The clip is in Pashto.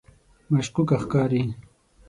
مشکوکه ښکاري.